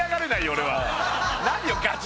俺は何よガチ？